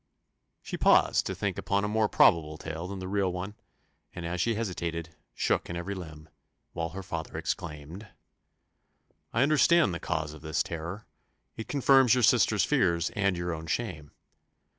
She paused to think upon a more probable tale than the real one; and as she hesitated, shook in every limb while her father exclaimed, "I understand the cause of this terror; it confirms your sisters' fears, and your own shame.